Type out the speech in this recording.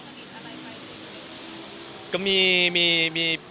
เดี๋ยวนี้มีเพื่อนคนชะมิตอะไรไปด้วยครับ